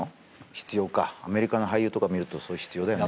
必要かアメリカの俳優とか見ると必要だよね